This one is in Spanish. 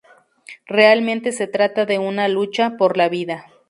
Realmente se trata de una lucha por la vida".